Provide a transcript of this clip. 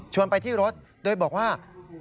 ไปที่รถโดยบอกว่า